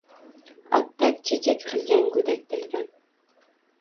Atak-chechak qilgan go’dak tilidan